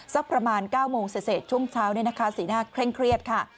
สักประมาณ๙โมงเศษช่วงเช้าสีหน้าเคร่งเครียดค่ะ